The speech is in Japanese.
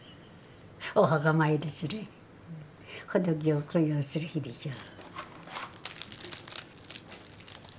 お墓参りする仏を供養する日でしょ。